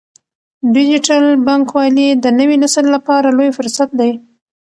ډیجیټل بانکوالي د نوي نسل لپاره لوی فرصت دی۔